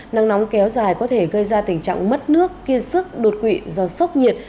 nắng nóng kéo dài có thể gây ra tình trạng mất nước kiên sức đột quỵ do sốc nhiệt